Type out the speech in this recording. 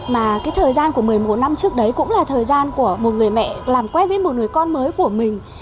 mà cái thời gian của một mươi một năm trước đấy cũng là thời gian của một người mẹ làm quen với một người con mới của mình